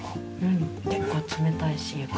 結構冷たいし床が。